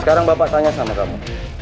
sekarang bapak tanya sama kamu